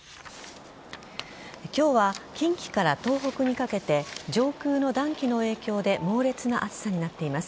今日は、近畿から東北にかけて上空の暖気の影響で猛烈な暑さになっています。